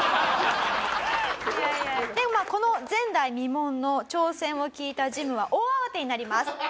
この前代未聞の挑戦を聞いたジムは大慌てになります。